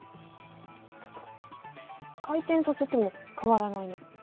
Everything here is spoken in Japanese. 回転させても変わらないね。